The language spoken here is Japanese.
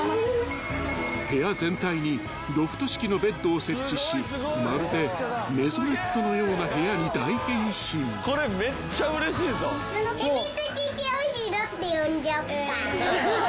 ［部屋全体にロフト式のベッドを設置しまるでメゾネットのような部屋に大変身］って呼んじゃおっか。